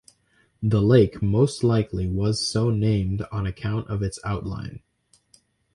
The lake most likely was so named on account of its outline.